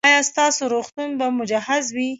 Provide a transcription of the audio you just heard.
ایا ستاسو روغتون به مجهز وي؟